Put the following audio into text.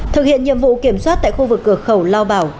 thực hiện nhiệm vụ kiểm soát tại khu vực cửa khẩu lao bảo